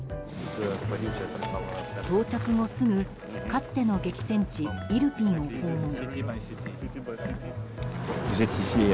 到着後すぐ、かつての激戦地イルピンを訪問。